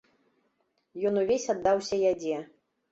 Ён увесь аддаўся ядзе.